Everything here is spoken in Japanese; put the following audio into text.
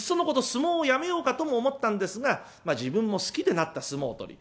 相撲をやめようかとも思ったんですが自分も好きでなった相撲取り。